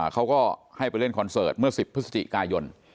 เขาก็ให้ไปเล่นคอนเสิร์ตเมื่อ๑๐พฤศจิกายน